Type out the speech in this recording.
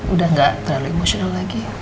udah gak terlalu emosional lagi